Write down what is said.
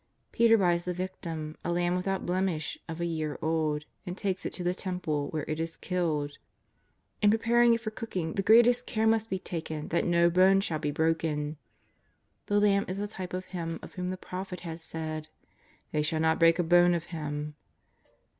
Peter buys the victim, a lamb without blemish of a year old, and takes it to the Temple, where it is killed. In preparing it for cooking the greatest care must be taken that no bone shall be broken. This lamb is a type of Him of whom the prophet had said :'' They shall not break a bone of Him.''